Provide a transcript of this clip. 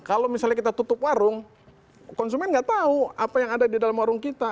kalau misalnya kita tutup warung konsumen nggak tahu apa yang ada di dalam warung kita